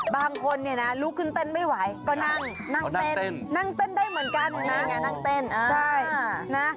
บ้างคนลุกขึ้นเต้นไม่ไหวก็นั่งเต้นได้เหมือนกันนะ